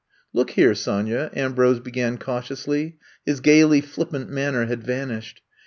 Look here, Sonya," Ambrose began cautiously; his gaily flippant manner had vanished.